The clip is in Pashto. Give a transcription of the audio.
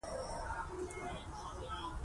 ټول غمونه به دې هېر شي.